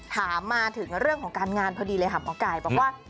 ถามมาถึงเรื่องของการงานพอดีเลยค่ะหมอไก่บอกว่า